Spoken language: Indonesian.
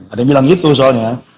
pandemi ilang gitu soalnya